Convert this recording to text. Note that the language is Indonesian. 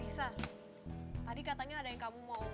risa tadi katanya ada yang kamu mau omongin